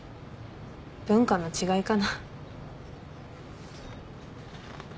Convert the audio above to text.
文化の違いかな。